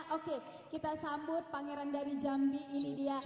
oke kita sambut pangeran dari jambi ini dia